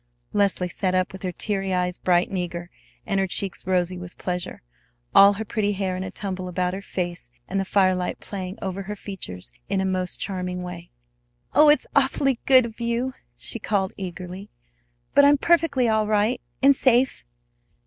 Leslie sat up with her teary eyes bright and eager, and her cheeks rosy with pleasure, all her pretty hair in a tumble about her face and the firelight playing over her features in a most charming way. "Oh, it's awfully good of you," she called eagerly. "But I'm perfectly all right and safe."